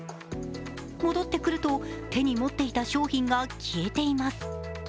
戻ってくると、手に持っていた商品が消えています。